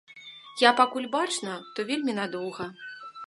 Як пакуль бачна, то вельмі надоўга.